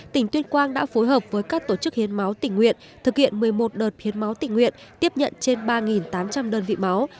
tỉnh tuyên quang đã phối hợp với các tổ chức hiến máu tỉnh nguyện thực hiện một mươi một đợt hiến máu tỉnh nguyện tiếp nhận trên ba tám trăm linh đơn vị máu